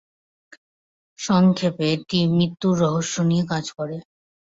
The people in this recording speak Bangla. সংক্ষেপে, এটি মৃত্যুর রহস্য নিয়ে কাজ করে।